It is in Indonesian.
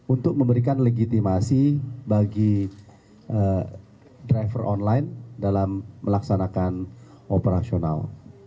untuk memberikan legitimasi bagi driver online dalam melaksanakan operasional